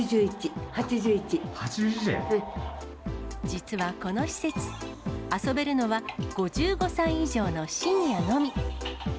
実はこの施設、遊べるのは５５歳以上のシニアのみ。